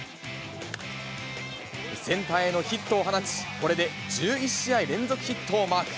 センターへのヒットを放ち、これで１１試合連続ヒットをマーク。